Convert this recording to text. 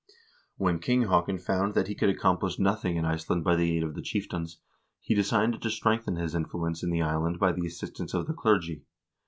When King Haakon found that he could accomplish nothing in Iceland by the aid of the chieftains, he decided to strengthen his influence in the island by the assistance of the clergy.